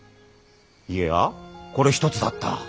いやこれ１つだった。